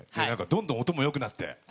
どんどん音も良くなって。